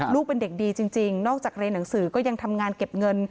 เป็นเด็กดีจริงนอกจากเรียนหนังสือก็ยังทำงานเก็บเงิน